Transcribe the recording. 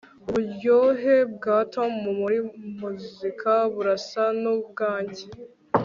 Uburyohe bwa Tom muri muzika burasa nubwanjye